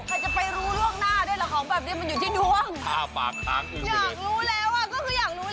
ใครจะไปรู้ลวกหน้าด้วยล่ะของของ